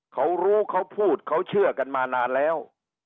เขารู้เขาพูดเขาเชื่อกันมานานแล้ว